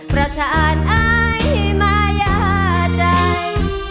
ประธานอายมายาใจ